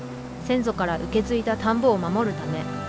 「先祖から受け継いだ田んぼを守るため。